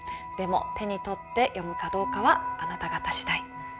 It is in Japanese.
でも手に取って読むかどうかはあなた方次第。